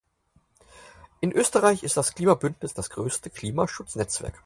In Österreich ist das Klimabündnis das größte Klimaschutz-Netzwerk.